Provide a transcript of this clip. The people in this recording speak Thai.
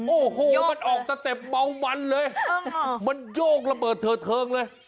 โอ้โหมันออกสเต็ปเมามันเลยมันโยกระเบิดเถิดเทิงเลย